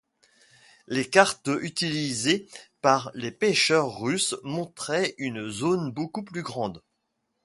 Les cartes utilisées par les pêcheurs russes montraient une zone beaucoup plus grande.